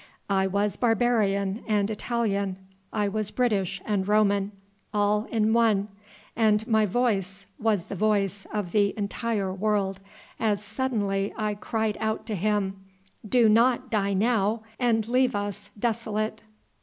I was barbarian and Italian, I was British and Roman, all in one ... and my voice was the voice of the entire world, as suddenly I cried out to Him: 'Do not die now and leave us desolate!'"